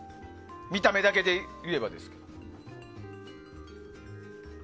見た目だけで言えばですけど。